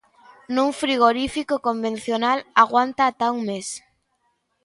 Nun frigorífico convencional aguanta ata un mes.